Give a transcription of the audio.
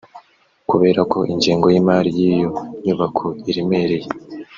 Kubera ko ingengo y’imari y’iyo nyubako iremereye